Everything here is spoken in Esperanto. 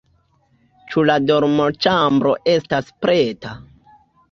Ĉu la dormoĉambro estas preta?